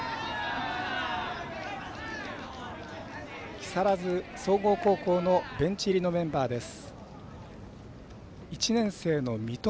木更津総合高校のベンチ入りのメンバーです。